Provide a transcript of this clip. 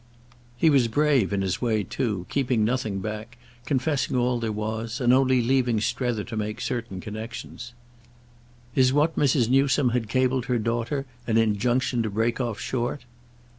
He was brave in his way too, keeping nothing back, confessing all there was, and only leaving Strether to make certain connexions. "Is what Mrs. Newsome had cabled her daughter an injunction to break off short?"